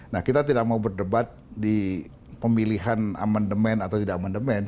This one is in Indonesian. nah kita tidak mau berdebat di pemilihan amendement atau tidak amandemen